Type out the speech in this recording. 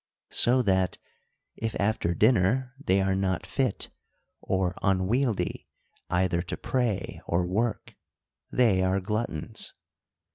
So that, if after dinner they are not fit (or unwieldy) either to pray or work, they are gluttons.